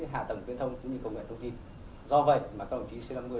hạ tầng tuyên thông cũng như công nghệ thông tin